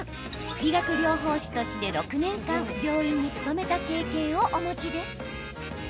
理学療法士として６年間病院に勤めた経験をお持ちです。